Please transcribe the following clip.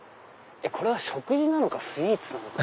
これは食事なのかスイーツなのか。